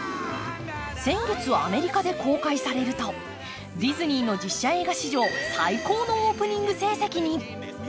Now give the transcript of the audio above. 先月、アメリカで公開されるとディズニーの実写映画史上最高のオープニング成績に。